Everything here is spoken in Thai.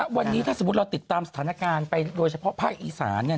วันนี้ถ้าสมมุติเราติดตามสถานการณ์ไปโดยเฉพาะภาคอีสาน